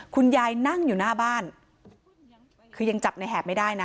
นั่งอยู่หน้าบ้านคือยังจับในแหบไม่ได้นะ